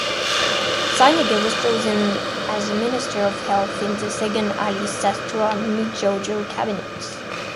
Sinaga was chosen as the minister of health in the Second Ali Sastroamidjojo Cabinet.